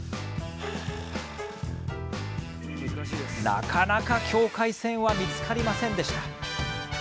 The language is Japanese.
なかなか境界線は見つかりませんでした。